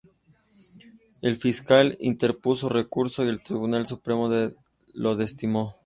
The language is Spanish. El fiscal interpuso recurso y el Tribunal Supremo lo desestimó.